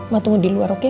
mama tunggu di luar oke